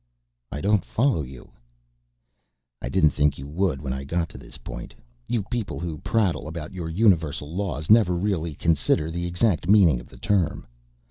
"I don't follow you...?" "I didn't think you would when I got to this point. You people who prattle about your Universal Laws never really consider the exact meaning of the term.